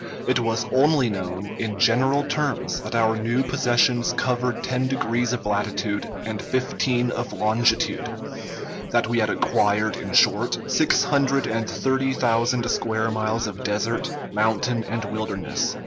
It was only known, in general terms, that our new possessions covered ten degrees of latitude and fifteen of longitude; that we had acquired, in short, six hundred and thirty thousand square miles of desert, mountain, and wilderness.